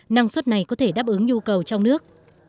năng suất này có thể đáp ứng nhu cầu trong nước